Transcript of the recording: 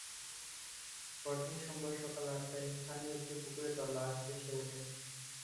পরদিন সোমবার সকাল আটটায় স্থানীয় একটি পুকুরে তার লাশ ভেসে ওঠে।